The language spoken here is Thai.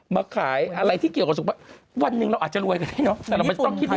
มาขายอะไรที่เกี่ยวกับสุขภัยวันนึงเราอาจจะรวยกันทีเนาะ